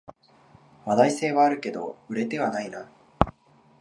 話題性はあるけど売れてはないな